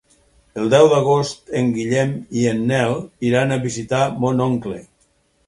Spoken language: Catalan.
El deu d'agost en Guillem i en Nel iran a visitar mon oncle.